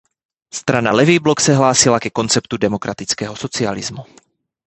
Strana Levý blok se hlásila ke konceptu demokratického socialismu.